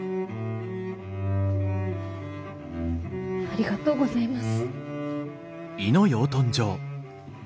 ありがとうございます。